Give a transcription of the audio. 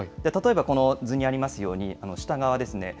例えばこの図にありますように、下側ですね。